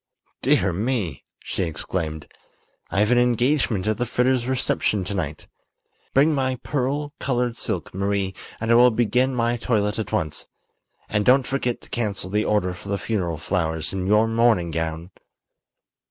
"Dear me!" she exclaimed; "I've an engagement at the Fritters' reception to night. Bring my pearl colored silk, Marie, and I will begin my toilet at once. And don't forget to cancel the order for the funeral flowers and your mourning gown."